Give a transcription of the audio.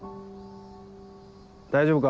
大丈夫か？